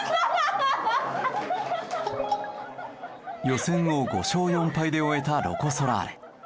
予選を５勝４敗で終えたロコ・ソラーレ。